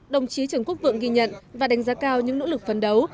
đồng chí trần quốc vượng ghi nhận và đánh giá cao những nỗ lực phấn đấu